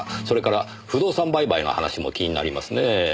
それから不動産売買の話も気になりますねえ。